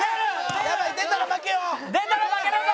やばい出たら負けよ。